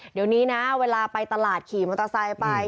เดี๋ยวนี้นะเวลาไปตลาดขี่มอเตอร์ไซค์ไป